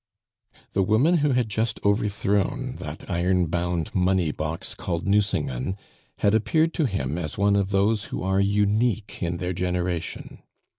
The woman who had just overthrown that iron bound money box, called Nucingen, had appeared to him as one of those who are unique in their generation.